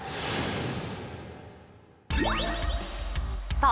さあ